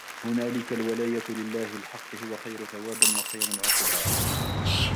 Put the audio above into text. هُنَالِكَ الْوَلَايَةُ لِلَّهِ الْحَقِّ هُوَ خَيْرٌ ثَوَابًا وَخَيْرٌ عُقْبًا